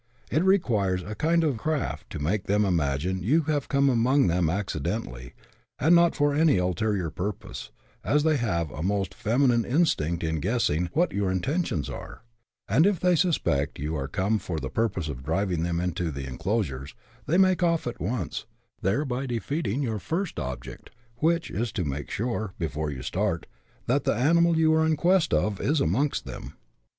It requires a kind of craft to make them imagine you have come among them accidentally, and not for any ulterior purpose, as they have a most feminine instinct in guessing " what your intentions are ;" and if they suspect you are come for the purpose of driving them into the enclosures, they make off at once, thereby defeating your first object, which is to make sure, before you start, that the animal you are in quest of is amongst them.